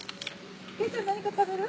佳ちゃん何か食べる？